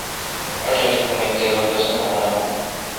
آݭیر پݨیل تہ رو بسنت الامہ۔